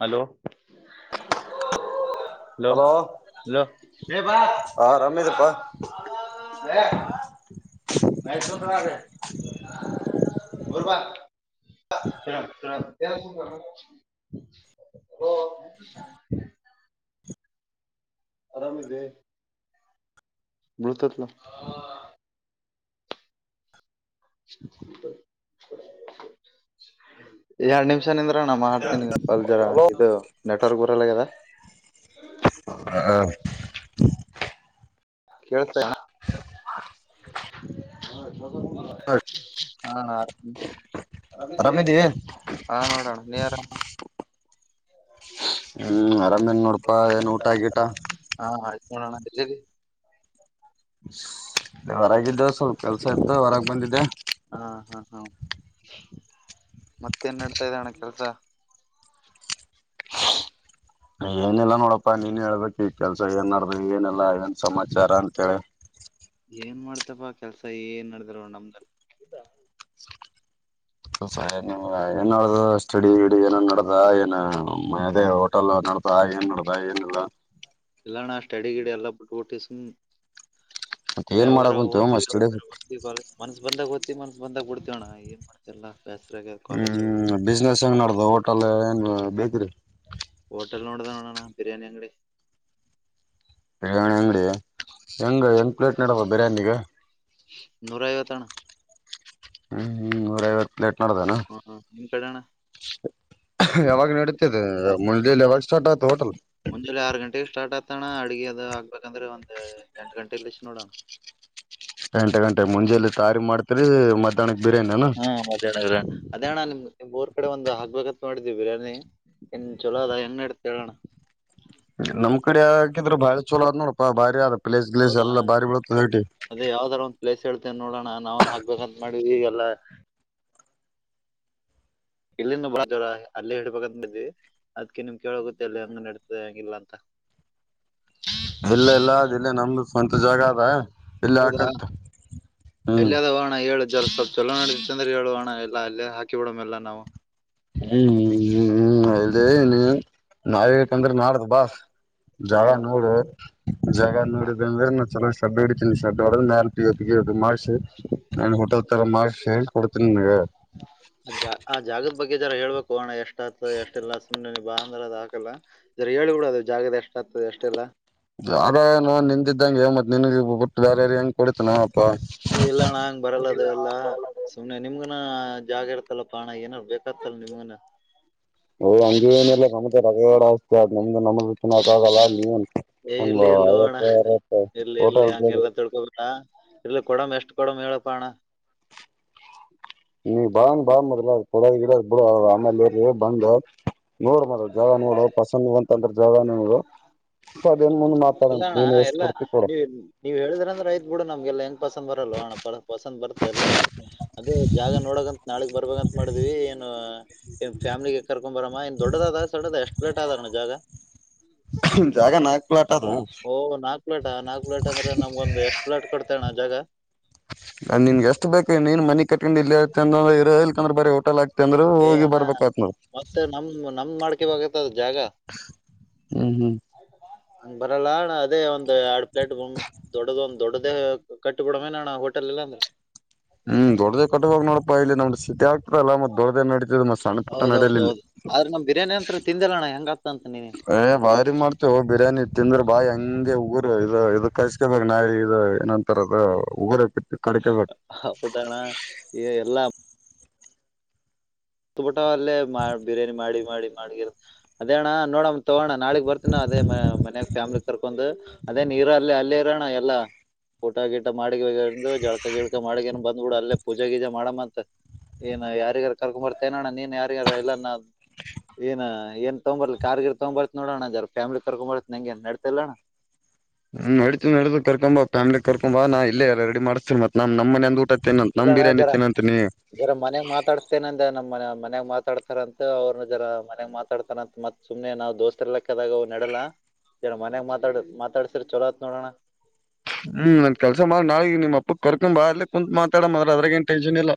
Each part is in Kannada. ಹಲೋ ಹಲೋ ಹಲೋ ಹಬ ಹ ಆರಾಮಿದೀಪಾ [unintelligible] ನಯ ಸುೊಂಡ್ರ ಬುರ್ಬ ತಿರ ತಿರ [unintelligible] ಆರಾಮದೆ ಮೃತತ್ಲ ಎರಡು ನಿಮಿಷಗಳು ಚಂದ್ರ ನಾ ಮಾಡ್ತೇನಿ ಪಲ್ ಜರ ಹಲೋ ಇದು ನೆಟ್ವರ್ಕ್ ಊರಲ್ಲಗದ ಕೇಳ್ತ ಹಷ್ಟ ಹಾರಾಮ ಆರಾಮಿದಿ ಹಾ ನೋಡೋಣ ನೀರಾಮ ಹ್ಮ್ ಅರಾಮೇನ್ ನೋಡ್ಪಾ ಏನ್ ಊಟ ಆಗಿಟ ಹನ ಆ ಕೆ ಹೊರಾಗಿದ್ದ ಸ್ವಲ್ಪ ಕೆಲ್ಸ ಇತ್ತು ಹೊರಗೆ ಬಂದಿದ್ದೆ ಹಾ ಹಾ ಹಾ ಮತ್ತೇನ್ಡ್ತಾ ಇದ್ದಣೆ ಕೆಲಸ ಏನೆಲ್ಲಾ ನೋಡಪ್ಪಾ ನೀನ್ ಹೇಳ್ಬೇಕು ಈ ಕೆಲ್ಸ ಏನ್ ಮಾಡ್ರಿ ಏನೆಲ್ಲ ಏನ್ ಸಮಾಚಾರ ಅಂತೇಳಿ [unintelligible] ಏನ್ ಮಾಡ್ತಪಾ ಕೆಲ್ಸ ಏನ್ ನಡ್ದರು ನಮ್ದನ್ ಸ್ ಏನ್ಡ ಸ್ಟಡಿಡಿ ಏನನ್ ನಡ್ದ ಏನ್ ಅದೇ ಹೋಟೆಲ್ ಮಾಡಡ್ತಾ ಏನ್ ಮಾಡತಾ ಏನಲ್ಲ ಎಲ್ಲಾನಾ ಸ್ಟಡಿ ಗಿಡಿ ಎಲ್ಲ ಬಿಟ್ಟ ಟ್ಟೀಸಮ ಮತ್ತ ಏನ್ ಮಾಡಕ್ ಯಾವಾಗ ಕುಂತೀವೋ ಓದತಿವಿ ಮಸ್ಟಡಿ ಯಾವಾಗರ ಬರ್ತೀವಿ ಮನ್ಸ್ ಬಂದಾಗ ಓ ತಿ ಮನ್ಸಸ್ ಬಂದಾಗ ಬಿಡ್ತವಣ ಏನ್ ಮಾಡ್ತಲ್ಲ ಹ್ಮ್ ಬಿಸ್ನೆಸ್ ಹೆಂಗ ನಡ್ದ ಹೋಟೆಲ್ ಏನ್ ಬೇಕ್ರರಿ ಹೋಟಲಿನೋಡದಣ್ಣ ಬಿರಿಯಾನಿ ಅಂಗಡಿ ಬಿರಯಾಣಿ ಅಂಗಡಿ ಹೆಂಗ ಹೆಂಗ್ ಪ್ಲೇಟ್ ನಡದವ ಬಿರಯಾನಿಗ ನೂರ್ ಐವತ್ತ ಅಣ್ಣ ಹ್ಮ್ ಹ್ಮ್ ನೂರೈಐವತ್ತು ಪ್ಲೇಟ್ ನಡ್ದನ ಹಾ ನಿಮ್ ಕಡೆ ಅಣ್ಣ ಯಾವಾಗ ನಡೀತಿದೆ ಮುಂಜಲೇ ಯಾವಾಗ ಸ್ಟಾರ್ಟ್ ಆಯತು ಹೋಟೆಲ್ ಹತಣ ಅಡ್ಗೆ ಅದು ಆಗ್ಬೇಕಂದ್ರೆ ಒಂದ್ ಎಂಟು ಗಂಟೆ ಇಲ್ಲಷ್ಟ ನೋಡೋಣ ಎಂಟು ಗಂಟೆ ಹ ಮುಂಜೆಲಿ ತಾರಿ ಮಾಡ್ತರಿ ಮಧ್ಯಾಹ್ನಕ್ ಬಿರಿಯಾನಿನ ಹಾ ಮದ್ಯಾಹ್ನ ರ ಅಣ್ಣ ಅದೇಣ್ಣ ನಿಮ್ ನಿಮ್ ಊರ್ ಕಡೆ ಒಂದು ಹಾಕ್ಬೇಕತ್ ಮಾಡಿದೀವಿ ಬಿರಿಯಾನಿ ಎನ್ ಚೊಲೊದ ಹೆಂಗ ನಡೀತದ ಹೇಳ್ ಅಣ್ಣ [unintelligible] ನಮ್ ಕಡೆ ಹಾಕಿದ್ರ ಬಾರಿ ಚಲೋ ಅದ್ ನೋಡಪ್ಪಾ ಭಾರಿ ಆದ ಪ್ಲೇಸ್ ಗ್ಲೇಸ್ ಹೌದಾ ಎಲ್ಲ ಭಾರಿ ಬೀಳತ್ತದೇಟಿ ಅದೇ ಯಾವ್ದಾರ ಒಂದ್ ಪ್ಲೇಸ್ ಹೇಳ್ತೇ ನೋಡೋಣ ನಾವನ್ ಹಕ್ಬೇಕಂತ ಮಾಡಿ ಈಗೆಲ್ಲ ಇಲ್ಲಿಂದ ಬರಕತ್ತಿರಿ ಅಲ್ಲೇ ಹಿಡ್ಬೇಕಂತ ಮಾಡೀವಿ ಅದ್ಕ್ಕೆ ನಿಮ್ ಕೇಳಗೊತ್ತ್ ಅಲ್ಲ ಹೆಂಗ ನಡತದೆ ಹೆಂಗಿಲ್ಲ ಅಂತ [unintelligible] ಇಲ್ಲ ಎಲ್ಲ ಅ ಇಲ್ಲ ನಮ್ದು ಸ್ವಂತ ಜಾಗ ಅದ ಇಲ್ಲ ಹಾಕಂತ ಎಲ್ಲಿಯಾದ ಅಣ್ಣ ಹೇಳ ಜರ ಸ್ವಲ್ಪ್ ಚಲೋ ನಡತದ ಅಂದ್ರ ಹೇಳುವ ಅಣ್ಣ ಎಲ್ಲ ಅಲ್ಲೇ ಹಾಕಿ ಬಿಡ ಮೆಲ್ಲ ನಾವು ಹ್ಮ್ ಹ್ಮ್ ಹ್ಮ್ ಇದ ನೀ ನಾವಕಂದ್ರೆ ನಾಡದು ಬಾ ಜಾಗ ನೋಡು ಜಾಗ ನೋಡಿದಂದ್ರೆ ನಾ ಚನ್ನ್ ಸಬ್ಬ ಹಡಿತೀನಿ ಶಡ್ಡ ಹೊಡದ ಮೇಲೆ ನಾರ ಮಾಡಿಸಿ ನಾನು ಹೋಟೆಲ್ ತರ ಮಾಡಿಸಿ ಹೇಳಿ ಕೊಡ್ತೀನಿ ನಿನಗ ಆ ಜಾಗದ ಬಗ್ಗೆ ಜರ ಹೇಳ್ಬೇಕು ಅಣ್ಣ ಎಷ್ಟ್ತ ಎಷ್ಟ ಎಲ್ಲ ಬಾ ಅಂದ್ರ ಅದು ಹಾಕಲ್ಲ ಹೇಳಿ ಕೂಡ ಅದು ಜಾಗದ ಎಷ್ಟ ಆಗ್ತದೆ ಎಷ್ಟೆಲ್ಲ ಅ ನ ನಿಂದಿದ್ದಂಗ ಮತ್ ನಿನ್ಗೆ ಬಿಟ್ಟು ಬೇರೆ ಯಾರಿಗೆ ಕೊಡಿತನ ಇಲ್ಲಣ್ಣ ಹಂಗ್ ಬರಲ್ಲದ ಎಲ್ಲಾ ಸುಮ್ನೆ ನಿಮ್ಗನ ಜಾಗ ಇರ್ತಲ್ಲ ಬಾಣ ಏನಾರ ಬೇಕತ್ತಲ್ಲ ನಿಮ್ಗನ ಓ ಹಂಗ ಏನಿಲ್ಲ ನಮ್ದ ರಗಡ ಆದ ನಮ್ದು ನಮ್ದ ಏ ಇರ್ಲಿ ಇರ್ಲಿ ಅಣ್ಣ [unintelligible] ಇಲ್ಲ ಕೊಡಮ ಎಷ್ಟು ಕೊಡಮ್ ಹೇಳಪ್ಪ ಅಣ್ಣ ನೀ ಬಾ ಮೊದಲ ಕೊಡದ ಗಿಡದ ಬಿ ಆಮೇಲೆ ಬಂದ ನೋಡ ಮದ ಜಾಗ ನೋಡು ಪಸಂದ ಬಂತ ಅಂದ್ರ ಜಾಗನ್ ಇಲ್ಲ ಅಣ್ಣ ಎಲ್ಲಾ ಕೊಡ್ತಿ ಕೊಡು ನೀವ್ ನೀವ್ ಹೇಳಿದ್ರ ಅಂದ್ರೆ ಐತ್ ಬಿಡ ನಮ್ಗೆಲ್ಲ ಎ ಪಸಂದ್ ಬರಲ್ವಾ ಅಣ್ಣ ಪಸಂದ್ ಬರ್ತ ಎಲ್ಲಾ ಅದೇ ಜಾಗ ನೋಡಕ ನಾಳಗ್ ಬರ್ಬಂತ ಮಾಡ್ವಿ ಏನು ಫ್ಯಾಮಿಲಿಗೆ ಕರ್ಕೊ ಬರಾನ್ ದೊಡ್ಡದ ಸಣ್ಣದ ಅಷ್ಟ ಪ್ಲೇಟ್ ಅದ ಜಾಗ ಜಾಗ ನಾಕ್ ಪ್ಲಾಟ್ ಅದು ಓಹ ನಾಕ್ ಪ್ಲೇಟ ನಾಕ್ ಪ್ಲಾಟ್ ಅಂದ್ರ ನಮ್ಗ ಒಂದ ಎಷ್ಟ್ ಪ್ಲಾಟ್ ಕೊಡತಿ ಅಣ್ಣ ಜಾಗ ನಾನ್ ನಿನ್ಗೆ ಎಷ್ಟು ಬೇಕೇ ನೀನ್ ಮನಿಗ್ ಕಟ್ಕೊಂಡ್ ಇಲ್ಲ ಇರ ಇಲ್ಕಂದ್ರೆ ಬರೀ ಹೋಟೆಲ್ ಹಾಕ್ತ ಅಂದ್ರ ಏ ಹೋಗಿ ಅಣ್ಣ ಬರ್ಬೇಕ ಆತ್ ನಾವು ಮತ್ತ ನಮ್ [unintelligible] ಜಾಗ ಹ್ಮ್ ಹ್ಮ್ ಹಂಗ್ ಬರಲ್ಲ ಅಣ್ಣ ಅದೇ ಒಂದ್ ಎರಡ್ ಪ್ಲೇಟ್ ಗ್ ದೊಡ್ಡ ಒಂದ್ ದೊಡದೇ ಕಟ್ಟಿಬಡ ಮೇ ಅಣ್ಣ ಹೋಟೆಲ್ ಇಲ್ಲ ಹ್ಮ್ ದೊಡ್ಡದ ಕಟ್ಟ ಹೋಗ್ ನೋಡಪ್ಪಾ ಇಲ್ಲಿ ನ ಸಿಟಿ ಲ್ಲ ಮತ್ತ ದೊಡ್ಡ್ದೇ ನಡೀತದೆ ಮತ್ತ ಸಣ್ಣ ಪುಟ್ಟ ನಡಲಿಲ್ಲ ಹೌದೌದೌದು ಆದ್ರ ನಮ್ ಬಿರಿಯಾನಿ ಅಂತ್ರ ತಿಂದಿಲ್ಲ ಅಣ್ಣ ಹೆಂಗಾಗ್ತಂತ ನೀನ್ ಏ ಭಾರಿ ಮಾಡ್ತೇವ ಬಿರಿಯಾನಿ ತಿಂದ್ರ ಬಾಯಿ ಹಂಗೆ ಊರು ಇ ಇದ ಕಸ್ಕ ಇವಾಗ ನಾಯಿ ನಂತರ ಉಗಾರ್ ಹೌದಣ ಈ ಎಲ್ಲಾ ತುಬಟ ಅಲ್ಲೇ ಬಿರಿಯಾನಿ ಮಾಡಿ ಮಾಡಿ ಮಾಡಗಿರ ಅದೇಣ್ಣ ನೋಡಮ್ಮ ತಗೋಣ ನಾಳಗ್ ಬರ್ತನ ಅದೇ ಮನ್ಯಾಗ ಫ್ಯಾಮ್ಲಿಗ್ ಕರ್ಕೊಂಡ್ ಅದೇ ನೀರ ಅಲ್ಲೇ ಅಲ್ಲೇ ಇರೋಣ ಎಲ್ಲ ಊಟ ಗಿಟ ಮಾಡಿ ಜಳ್ಕ ಗಿಳ್ಕ ಮಾಡಿನು ಬಂದ್ಬಿಡ ಅಲ್ಲೇ ಪೂಜೆ ಗೀಜ ಮಾಡಮ್ಮಂತೆ ಏನ ಯಾರಿಗಾರು ಕರ್ಕೊ ಬರ್ತನೋಣ್ಣ ನೀನ್ ಯಾರಿಗಾರ ಇಲ್ಲನ್ನ ಏನ ಏನ್ ತಗೊಂಬರ್ ಕಾರ್ಗಿ ತಗೊಂಬ ಬರ್ತ್ ನೋಡಣ ಯಾರ ಫ್ಯಾಮಿಲಿ ಕರ್ಕೊಂಬರ್ತ್ತ ನಂಗೆ ನ್ ನಡತಿಲ್ಲಣ ಹ್ಮ ನಡಿತ ನಡಿತ ಕರ್ಕೊಂಬ ಫ್ಯಾಮಲಿ ಕರ್ಕೊಬ ನಾ ಇಲ್ಲ ಎಲ್ಲ ರೆಡಿ ಮಾಡ್ತರ್ ಮತ್ತೆ ನಮ್ ನಮ ಮನ ಅಂದ ಊಟ ತಿನ ಇಲ್ಲ ನಮ್ ಅಣ್ಣ ಬಿರಿಯಾನಿ ಜರ ತೇನಂತ ನೀ ಜರ ಮನ್ಯಾಗ ಮಾತಾಡ್ತೇನಂದ ನಮ್ಮ ಮನೆ ಮನ್ಯಾಗ ಮಾತಾಡ್ತಾರಂತ ಅವ್ರನ ಜರ ಮನ್ಗ್ ಮಾತಾಡ್ತಾರಂತ ಮತ್ ಸುಮ್ನೆ ನಾ್ ದೋಸ್ತ ಎರ್ಲಾಕ್ಕದಾಗ ಅವ್ ನೆಡಲ್ಲ ಸರ ಮನ್ಯಾಗ ಮಾತಾಡ ಮಾತಾಡ್ಸರಿ ಚೊಲೋತ್ ನೋಡೋಣ ಹ್ಮ್ ನನ್ ಕೆಲಸ ಮಾಡಿ ನಾಳಗ್ ನಿಮ್ಮ ಅಪ್ಪಕ್ಕ ಕರ್ಕೊಂಡ ಬ ಅ್ದಲಿ ಕುಂತತ್ ಮಾತಾಡ ಮ್ರ ಅದ್ರ ಟನ್ನ್ ಇಲ್ಲ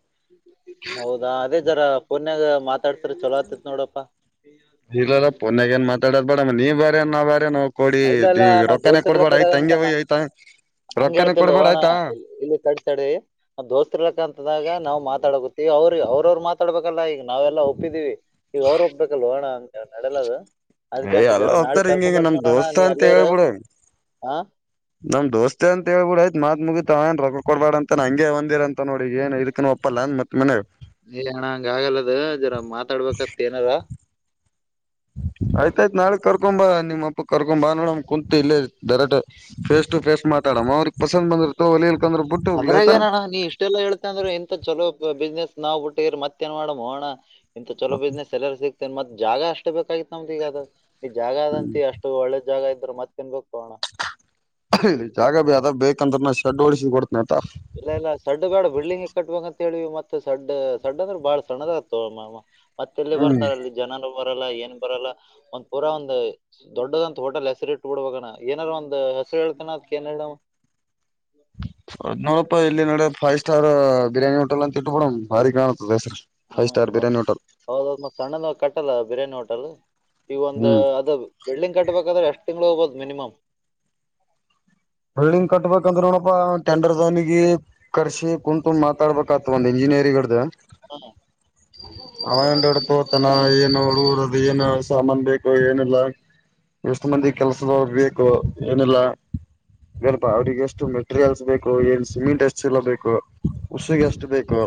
ಹೌದಾ ಅದೇ ಜರ ಪಫನ್ಯಾಗ ಮಾತಾಡ್ತಾರ ಚಲೋ ಆತಿತ್ ನೋಡಪ್ಪಾ [unintelligible] ಇಲ್ಲಲ್ಲ ಪೊನ್ಗಏನ್ ಮಾತಾಡೋ ಬೇಡ ನೀವ್ ಬ್ಯ ನಾ ಬಾರ ನೋವು ಕೊಡಿ ಇಲ್ಲ ಇಲ್ಲ ನಾವ್ ರೊಪಾನೆ ದೋಸ್ತರ್ ಕೊಡ್ಬೇಡ ಆಯ್ ಲೆಕ್ಕದಾಗ ಅಂತ ತಂಗ ನಾ ಆತ ಹಂಗ ಹೇಳ್ತಿಲ್ ಹೋಣ ಇಲ್ಲಿ ತಡಿ ತಡಿ ದೋಸ್ತಿ ಇರ್ಲಕ್ಕಂತದಾಗ ನಾವ್ ಮಾ ಮಾತಾಡಕೊತ್ತ ಈಗ ಅವ್ರ ಅವ್ರವರು ಮಾತಾಡ್ಬೇಕಲ್ಲ ಈಗ ನಾವೆಲ್ಲಾ ಒಪ್ಪಿದೀವಿ ಈಗ ಅವ್ರು ಒಪ್ಬೇಕಲ್ ಹೋಣ ಅಂತ ನಡಲದು ಯ್ ಎಲ್ಲ ಹೋಗ್ತಾರ ಹಿಂಗಿಂಗ ನಮ್ ದೋಸ್ತ ನೀ ಅಂತ ಅಲ್ಲೇ ಇರು ಹೇಳ್ಬಿಡು ಹಾ ನಮ್ ದೋಸ್ತೆ ಅಂತ ಹೇಳ್ಬಿಡ ಆಯತ್ ಮಾತ್ಗಿತತಾಏನ್ ರೊಗ ಕೊಡ್ಬೇಡ ಅಂತ ನ ಹಂಗೆ ಒಂದಿರ ಅಂತ ನೋಡಿ ಏನ್ ಇದಕ್ಕ ಒಪ್ಪಲ್ಲ ಮತ್ತತ್ ಮ ಅಣ ಹಂಗ ಆಗಲ್ಲದ ಜರ ಮಾತಾಡ್ಬೇಕತ್ ಏನದ ಆಯ್ತಾಯ್ತ್ ನಾಳೆ ಕರ್ಕೊಂಬ ನಿಮ್ಮ ಅಪ್ಪ ಕರ್ಕೊ ಬಾ ನೋಡಮ ಕುಂತು ಇಲ್ಲೇ ದರಟ ಫೇಸ್ ಟು ಫೇಸ್ ಮಾತಾಡಮ್ಮ ಅವ್ರಗ್ ಪಸಂದ್ ಬಂದರುತ ಹೊಲಿಲ್ಕಂದ್ರ ಬಿಟ್ಟು ಹೋಗಲ ಅದ್ರಾಗ ಆಯ್ತಾ ಏನಣ್ಣ ನೀ ಇಷ್ಟೆಲ್ಲಾ ಹೇಳ್ತ ಅಂದ್ರ ಇಂತ ಚಲೋ ಬಿಸ್ನೆಸ್ ನಾ್ ಬಿಟ್ಟಿರ ಮತ್ತ ನ್ ಮಾಡಣ ಇಂತ ಚಲೋ ಬಿಸ್ನೆಸ್ ಎಲ್ಲಾರೂ ಸಿಕ್ತ ಮತ್ ಜಾಗ ಅಷ್ಟೇ ಬೇಕಾಗಿತ್ತು ನಮ್ದ ಈಗ ಅದು ಈ ಜಾಗ ಅದಂತ ಅಷ್ಟು ಒಳ್ಳೆ ಜಾಗ ಅ್ರ ಮತ್ತೆನ್ ಹೋಗೋಣ ಇಲ್ಲಿ ಜಾಗ ಬಿ ಅದ ಬೇಕಂದ್ರ ನಾ ಶೆಡ್ ಓಡಿಸಿ ಕೊಡ್ತನಯತಾ ಇದೆಲ್ಲ ಸಡ್ ಬೇಡ ಬಿಡಿಂಗ್ ಕಟ್ಟುವಂತ ಳಿವ ಮತ್ತೆ ಸಡ್ ಸಡ್ ಅಂದ್ರೆ ಬಾಳ್ ಸಣ್ಣದ ಆಗ್ತವ ಮತ್ತೆ ಇಲ್ಲಿ ಹ್ಮ್ ಬರ್ತಾರೆ ಅಲ್ಲಿ ಜನ ಬರಲ್ಲ ಏನ್ ಬರಲ್ಲ ಒಂದ್ ಪೂರ ಒಂದ್ ದೊಡ್ಡದಂತ ಹೋಟೆಲ್ ಹೆಸರಿ ಇಟ್ ಬಿಡಬಣ ಏನಾರ ಒಂದು ಹಸಿರು ಹೇಳ್ತನಾ ಕೆನಡ ನೋಡಪ್ಪ ಇಲ್ಲಿ ನಡ ಫೈವ್ ಸ್ಟಾರ್ ಬಿರಿಯಾನಿ ಹೋಟೆಲ್ ಅಂತ ಡ ಹಾರ ಫೈವ್ ಸ್ಟಾರ್ ಹ್ಮ್ ಪ್ರಿಯಯಾಣಿ ಹೋಟಲ್ ಹೌದೌದ್ ಮತ್ ಸಣ್ಣದ ಕಟ್ಟಲ್ಲ ಬಿರಿಯಾನಿ ಹೋಟಲ್ ಈಗ ಒಂದ ಅದು ಬಿಳ್ಳಿಂಗ್ ಕಟ್ಬೇಕಾದ್ರೆ ಎಷ್ಟ್ ತಿಂಗಗಳು ಹೋಗಬೋದು ಮಿನಿಮಮ ಬಿಲ್ಡಿಂಗ್ ಕಟ್ಬೇಕಂದ್ರೆ ನೋಡಪ್ಪಾ ಟೆಂಡರ್ ನಿಗೆ ಕರ್ಷಿ ಕುಂತ್ ಮಾತಾಡ್ಬೇಕತ್ ಒಂದ ಇಂಜಿನಿಯರಿಡ್ದ ಅವಂಡೋಡ ತೋತಾನ ಏನು ಊರದ ಏನ್ ಸಾಮಾನನ್ ಬೇಕ ಏನಿಲ್ಲ ಎಷ್ಟು ಮಂದಿ ಕೆಲ್ಸದವರು ಬೇಕು ಏನಿಲ್ಲ ಗಬ ಅವ್ರಿಗೆ ಎಷ್ಟು ಮೆಟೀರಿಯಲ್ಸ್ ಬೇಕು ಏನ್ ಸಿಮೆಂಟ್ ಎಷ್ಟು ಚಲ ಬೇಕು ಹುಸಿಗೆ ಅಷ್ಟು ಬೇಕು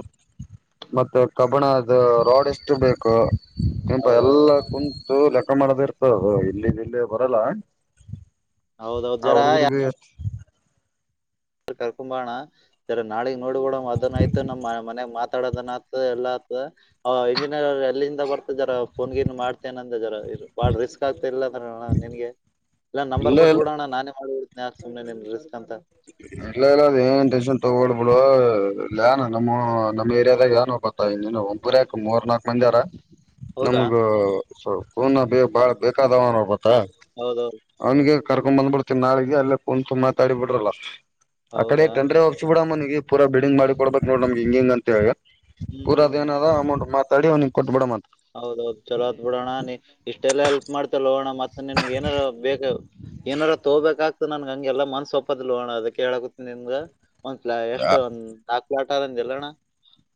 ಮತ್ತೆ ಕಬ್ಬಣದ ರೋಡ್ ಎಷ್ಟು ಬೇಕು ಕೆಪ ಎಲ್ಲಾ ಕುಂತು ಲೆಕ್ಕ ಮಾಡದ ಇರ್ತದು ಇಲ್ಲಿಲ್ಲಿ ಬರಲ್ಲ ಹೌದೌದು ಜರ ಯ ಹಾ [unintelligible] ಕರ್ಕೊಂಬೋಣ್ಣ ಸ ನಾಳಿಗ್ ನೋಡ ಕಡ ಅದನ್ನ ಆಯತು ನಮ್ ಮನಗ್ ಮಾತಾಡೋದನ ಎಲ್ಲ ಇಂಜಿನಿಯರ್ ಎಲ್ಲಿಂದ ಬರ್ತ ಜರ ಫನ್ಗಿನ್ ಮಾಡ್ತೇನೆ ಅಂದ ಜಾರ ಬಾಳ ರಿಸ್ಕ್ ಆಗ್ತ ಇಲ್ಲ ಣ ನಿನ್ಗೆ ಇಲ್ಲ ನಂಬರ್ ಕೊಟ್ಬಿಡೋಣ ನಾನೇ ಮಾಡ್ಬಿಡ್ನಾ ಸುಮ್ನೆ ನಿ ರಿಸ್ಕ್ ಅಂತ ಇಲ್ಲ ಇಲ್ಲ ಅ ಏನ್ ಟೆನ್ಷನ್ ತೊಗೋಳ್ಬಿಳು ಇಲ್ಲ ಏ ನಮ್ಮ ನಮ್ಮ ಏರಿಯಾದಾಗ ಆನ್ ಒಬ್ಬ ಇನ್ನ ಒಬೂರಯಕ ಮೂರ್ ನಾಕಕ್ ಮಂದಿ ಅರ ಹೌದಾ ನಮಗ ಪೂನ ಬ ಬಾಳ್ ಬೇಕಾದನ್ಬತ್ತಾ ಹೌದೌದು ಅವ್ನ್ಿಗೆ ಕರ್ಕೊಂಡ್ ಬಂದ್ಬಿಡ್ತನ್ ನಾಳಿಗೆ ಅಲ್ಲೇ ಕುಂತು ಮಾತಾಡಿ ಬಿಡ್ರಲ್ಲಾ ಆ ಕಡೆ ಹೌದಾ ತಂದ್ರೆ ಹೋಗಸಿ ಬಿಡ ಅಮ್ಮನಿಗೆ ಪೂರ ಬಿಡಿಂಗ್ ಮಾಡ ಕೊಡ್ಬೇಕಕ್ ನೋ ನಮ್ ಹಿಂಗಿಂಗ ಅಂತ ಹೇಳ ಪೂರದ ಏನದ ಅಮೌಂಟ್ ಮಾತಾಡಿ ಒಂದು ಹೌದೌದು್ ಚಲೋ ಆತ್ ಬಿಡೋಣ ನೀ ಇಷ್ಟೆಲ್ಲ ಎಲ್ಪ್ ಮಾಡ್ತಲ್ಲ ಹೋಣ ಮತ್ತೆ ನಿನ್ಗ್ ಏನಾರ ಬೇಕ ಏನಾರ ತೋಬೇಕಕ್ಗ್ತ ನನ್ಗೆ ಹಂಗೆಲ್ಲ ಮನ್ಸ್ಸ ಒಪ್ಪದ್ಲ್ೋಣ ಅದಕ್ಕೆೇಳಕ ನಿಮಗ ಒಂದ್್ಲಾ ಎಷ್ಟು ಒಂದ್ ನಾಕು ಲ್ಾಟ ಅರಂದಿಲ್ಲಣ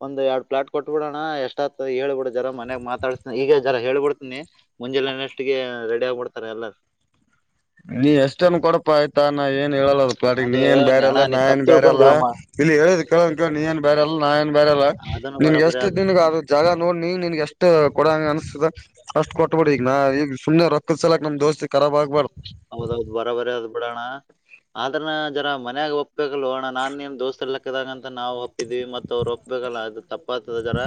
ಒಂದ ಎರಡ್ ಪ್ಲಾಟ್ ಕೊಟ್ಬ ಬಿಡೋಣ ಎಷ್ಟ ಹೇಳ್ಬಿಡ ಜರ ಮನ್ಾಗಗ್ ಮಾತಾಡ್ತ ಈಗ ಜರ ಹೇಳ್ಬಿಡ್ತನಿ ಮುಂಜೆ ಷ್ಟಿಗೆ ರೆಡಿ ಆಗಿಬಿಡ್ತಾರೆ ಎಲ್ಲಾರ ನೀ ಎಷ್ಟನ್ ಕೊಡಪ ಆಯ್ತಾ ನಾ ಏನ್ ಹೇಳಲ್ಲದ ಪ್ಲಾಟಿಗೆ ನೀ ಅದು ಏನ್ ಅಣ್ಣ ಬ್ಯರೆಲ್ಲ ನೀ ತಪ್ಪ ನಾ ೇಏನ್ ಬೇರೆಲ್ಲ ತಿಳ್ಕೊಂದಿವಮ್ಮ ಇಲ್ಲಿ ಹೇಳಿದ ಕಳ ನೀ ನ್ ಬೇರೆಲ್ಲ ನಾ ನ್ ಬೇರೆ ಅದನ್ನು ನಿನ್ಗೆ ಬರಾಬರಿ ಅದು ಎಷ್ಟುನ್ಗ ಅ ಜಾಗ ನೋಡ್ ನೀ ನಿನ್ಗೆ ಎಷ್ಟ ಕೊಡಂಗ ಅನ್ಿಸತದ ಅಷ್ಟಟ್ ಕೊಟ್ಬಿಡಿ ಈಗಾ ಈ ಸು್ನೆ ರೊಕ್ಕದ ಸಲಕ್ ನಮ ದೋಸ್ತಿಖರಾ ಆಗ್ಬಾರು ಹೌದೌದು ಬರ ಬರ ಅದ್ ಬಿಡೋಣ ಆದ್ರನ ಜರ ಮನ್ಯಾಗ ಒಪ್ಬೇಕಲ್ ಅಣ ನಾನನ್ೇನ್ ದೋಸ್ ಎ ಕ್ಕದಾಗಂತ ನಾವು ಒಪ್ಪಿದೀವಿ ಮತ್ ಅವ್ರು ಒಪ್ಬೇಕು ಲ್ಲ ಅದು ತಪ್ಪಾ ಜರ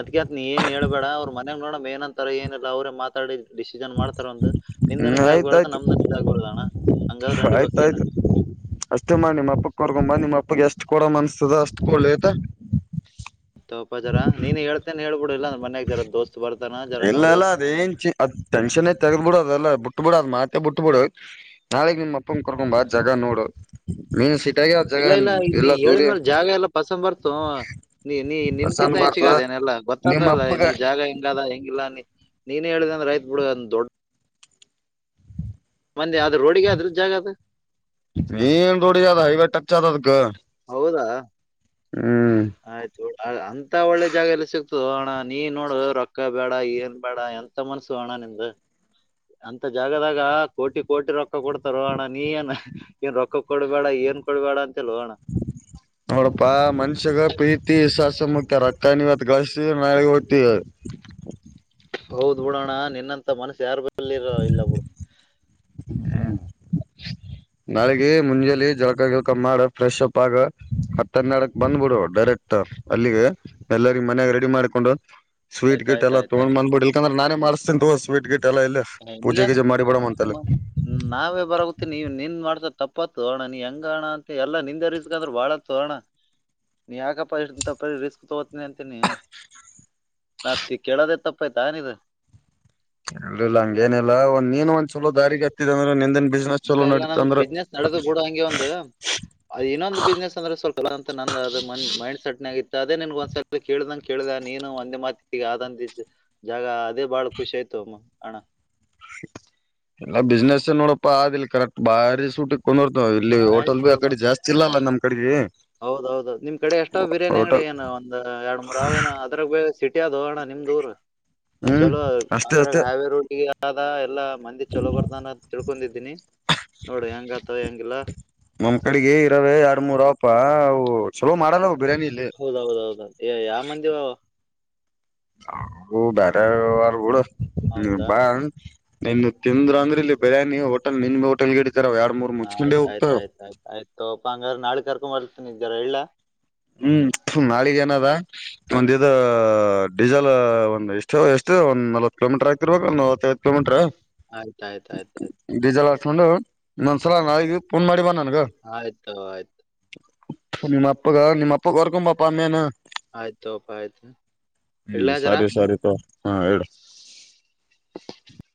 ಅದಕ ಅತ್ ನೀ ಏನ್ ಹೇಬೇಡ ಅವ್ರ ಮೇಗ್ ನೋಡ ಮೇನಂತರ ಏನಿಲ್ಲಲ್ಲ ಅವ್ರೇ ಮಾತಾಡಿದ ಡಿಸಿಷನ್ ಮಾಡ್ತಾರ ಒಂದು ನಿಂದನ ಹ್ಮ್ ಇದ ಆಗ್ಬಾರ್ದು ಆಯ್ತಾಯ್ತು ನಮ್ದ ಆಯ್ತಾಯ್ತು ಅಷ್ಟೇ ಮಾ ನಿಮ್ಮ ಅಪ್ಪಕ್ಕವರ್ಗೊಮ್ಮ ನಿಮ್ಮ ಅಪ್ಪಗೆ ಎಷ್ಟು ಅಷ್ಟ ಕೊಡ ಮನ್ಸದ ಅಷ್ಟ ಕೊೊಳ್ಳ ಆಯ್ತ ತಪ ಜರಾ ನೀನು ಹೇಳ್ತೇನೆ ಹೇಳ್ಬಿಡ ಇಲ್ಲ ಮಯಾಗ್ದರ ದೋಸ್ತ್ ಬರ್ತಾನ ಜರ ಎಲ್ಲ ನೋಡಿ ಎಲ್ಲಾ ಅದೇನ್ ಅದ್ಟೆನ್ೇ ತೆಗ್ ಬಿಡು ಅದೆಲ್ಲ ಬಿಟ್ಟ ಬಿಡ ಅದ ಮಾತ ಬಿಟ್ಟ ಬಿಡು ನಾಳೆಗ್ ನಿಮ್ಮ ಕಕೊ್ ಕರ್ಕೊಂಬ ಅ್ ಜಾಗ ನೋಡು ಮೀನ್ ಸಿಟಿಾಗ ಅ್ ಜ ಇಲ್ಲ ಇಲ್ಲ ನೀ ಎಲ್ಲ ದೂರಿ ಹೇಳಿದ್ಮೇಲೆ ಜಾಗ ಎಲ್ಲ ಪಸಂದ್ ಬರ್ತು ನೀ ನೀ ನಿನ್ಕಿಂತ ಬಸನ್ ಹೆಚ್ಚಗ ಬರ್ತದ ಅದೇನೆಲ್ಲಾ ನಿಮ್ಮ ಗೊತ್ತಾದಲ್ಲ ಅಪ್ಪಗ ನೀ ಜಾಗ ಹೆಂಗದ ಹೆಂಗಿಲ್ಲ ನೀ ನೀನೇ ಹೇಳಿದ ಅಂದ್ರೆ ಆಯ್ತಾ ಬಿಡ ಅದು ದೊಡ್ಡ ಮಂದಿ ಅದ್ ರೋಡಿಗೆ ಅದ್ರ ಜಾಗ ನೀಏನ್ ನೋಡದ ಹೈವ ಟಚ್ ಆದದಕ್ಕೆ ಹೌದಾ ಆಯ್ತು ಅಂತ ಒಳ್ಳೆ ಜಾಗ ಎಲ್ಲ ಸಿಕ್ತದೆ ಅಣ ನೀ ನೋಡ ರೊಕ್ಕ ಬೇಡ ಏನ್ ಬೇಡ ಎಂತ ಮನ್ಸು ಕಾಣನ್ ಎಿಂದ ಅಂತ ಜಾಗದಾಗ ಕೋಟಿ ಕೋಟಿ ರೊಕ್ಕ ಕೊಡ್ತಾರ ಅಣ್ಣ ನೀ ನ್ ಏನ್ ರೊಕ್ಕ ಕೊಡ್ಬೇಡ ಏನ್ ಕೊೊಳ್ಳವಾಡ ನೋಡಪಾ ಮನ್ಷ್ಯಗ ಪ್ರೀತಿ ವಿಷವಸ್ ಮುಕ್ ರಕ್ಕ ನೀವತ್ ಗಳ್ಸತ್ತಿ ನಾಳೆಗೆಗೆ ೋಟ್ಟಾರೆ ಹೌದ್ಬುಡೋಣ್ಣ ನಿನ್ನಂತ ಮನಸ್ಸು ಯಾರ ಬಲ್ಲಿರ ಇಲ್ಲ ಬಿುಡ ಹ್ಮ ನಾಳಗ ಮುಂಜಲಿ ಜಲ್ಕ ಗಲ್ಕ ಮಾಡ ಫ್ರೆಶ್ ಅಪ್ ಆಗ ಹತ್ತಹನಾಡಕ್ ಬಂದ್ಬಿಡು ಡೈರೆಕ್ಟ್ ಅಲ್ಲಿಗೆ ಎಲ್ಲರಿಗ ಮನ್ಯಾಗ ರೆಡಿ ಮಾಡ್ಕೊಂಡು ಸ್ವೀ ಗಟ್ ಎಲ್ಲ ತೊ್ ಆಯ್ತಾಯ್ತಾಯ್ತಾ ಬಂದಬ ಬಿಡ್ ಇಲ್ಕಂದ್ರ ನಾನೇ ಮಾಡಸ್ತಿ ಸ್ವೀ ಗಿಟ್ ಎಲ್ಲ ಇಲ್ಲ ಏ, ನೀ ಪೂಜೆ ಯಾಕ್ ಗಿಜೆ ಮಾಡಿಬಡ ಅಂತಲ್ಲಿ ಅಮ್ಮ? ನಾವೇ ಬರೋಗತ್ತ ನೀವ ನಿಂದ್ ಮಾಡ್ತ ತಪ್ಪತ್ ಅಣ ನೀ ಹೆಂಗಣ ಅಂತ ಎಲ್ಲ ನಿಂದರಿಸಿಸ್ಕ ಅಂದ್ರೆ ಬಾಳ ಹೋಣ ನೀ ಯಾಕಪ್ಪ ಇ ತಪ್ಪ ರಿಸ್ಕ್ ತಗೋತನಿ ಅಂತೀನಿ ನತ್ತ ಕೇಳದೇ ತಪ್ಪಾಯಯ್ತ ಇದು ಎಲ್ಲ ಇಲ್ಲ ಹಂಗೇನಿಲ್ಲಾ ಒಂದ್ ನೀನ್ ಒಂದ ಚಲೋ ದಾರಿಿಗೆ ಹತ್ತಿದ ಅಂದ್ರೆ ನಂದನ್ ಬಿಸ್ನೆಸ್ ಇಲ್ಲ ಚಲೋ ಇಲ್ಲ ನಡೀತ ನಂದ್ ಅಂದ್ರ ಅದೇನೊಂದ ಬಿಸ್ನೆಸ್ ಅಂದ್ರ ಸ್ವಲ್ಪಲ್ಲ ನಂದ ಅ ಮ ಮೈಂಡ್ ಸೆಟ್ನಗಿತ್ತು ಅದೇ ನಿನ್ಗ ಒಂದ್ಸಲ ಕೇಳ್ದಂಗ ಕೇಳಿದ ನೀನು ಒಂದೇ ಮಾತಿ ಆದಂದಿದ್ದು ಜಾಗ ಅದೇ ಬಾಳ ಖುಷಿ ಆಯ್ತು ಅಮ್ಮ ಹಣ ಎಲ್ಲ ಬಿಸ್ನೆಸ್ ನೋಡಪ್ಪ ಆದಿಲ್ಲ ಕರೆಕ್ಟ್ ಬಾರಿ ಸೂಟಿ ೋರ್ತ ಇಲ್ಲಿ ಆಯ್ತು ಹೋಟೆಲ್ ಬಿ ಆ ಕಡೆ ಜಾಸ್ತಿ ಇಲ್ಲಲ್ಲ ನಮ್ ಕಡೆಗೆ ಹೌದೌದು ನಿಮ್ ಕಡೆ ಎಷ್ಟಾವ್ ಬಿರಿಯಾನಿ ಅಂಗಡಿ ಹೋಟೆಲ್ ಏನು ಒಂದ್ ಎರಡ್ ಮೂರ್ ಅವಾವ ಏನು ಅದ್ರಾಗ ಸಿಟಿ ಅದೋ ಅಣ್ಣಾ ನಿಮ್ದೂರ್ ಹ್ಮ್ ಚಲೋ ಅಷ್ಟೇ ಅದ್ರಾಗ ಅಷ್ಟೇ ಹೈವೇ ರೋಡ್ಗೆ ಆದ ಎಲ್ಲಾ. ಮಂದಿ ಚಲೋ ಬರ್ದಾನ ತಿಳ್ಕೊಂಡಿದ್ದೀನಿ. ನೋಡು ಹೆಂಗಾತವ [unintelligible] ಹೆಂಗಿಲ್ಲ ಮಮ ಕಳಿಗೆ ಇರಾವೇ ಎರ ಮೂರಪ ಚುಲೋ ಮಾಡಲ್ಲ ಬಿರಿಯಾನಿಲ. ಯಾವ ಮಂದಿವ. [inaudible] ಹ ಬೇರವಾರೂಡ ಹೌದಾ ಬಾ ನಿನ್ ತಿಂದರು ಅಂದ್ರೆ ಇಲ್ಲಿ ಬಿರಾನಿ. ಮೋ ಆಯ್ತ್ ಆ್ತಯಯ್ತ ಆಯ್ತ ಆಯ್ತು ಅಪ್ಪ ಹಂಗಾರ ನಾಳ ಕರ್ಕೊ ಬರ್ತೀನಿರ ಎಲ್. ಹ್ಮ್ ನಾಳಿಗ ಏನದ ಒಂದ ಇ ಡೀಸೆಲ್ ಒಂದ್ ಇಷ್ಟ. ಚ ಎಷ್ಟು ಒಂದ ನವತ್ ಕಿಲೋಮೀಟ್ರ ಆತಿರ್ಬೇಕ ಒ ನವತ್ತೈದು ಕಿಲೋಮೀಟರ್. ಆಯ್ತ್ ಆಯ್ತ್ ಆಯ್ತ್ ಆಯ್ತ್ ಡಿಜಲ್ ಹಸ್ಕೊಂಡು ಇನ್ನೊಂದ್ ಸಲ ನಾಳಿಗ್ ಫೋನ್ ಮಾಡಿ ಬಾ ನನ್ಗ. [inaudible] ನಿಮ್ಮ ಅಪ್ಪರ್ಕಂಬಾಪ ಅಮ್ಮೇನು [inaudible] ಆಯ್ತ್ ತಗೋಪ ಆಯ್ತ್ ಹ್ಮ್ಮ್ ಇಡ್ಲಾ ಜರಾ. ಸರಿ ಸರಿಪ. ಹಾ ಹೇಳ. [inaudible]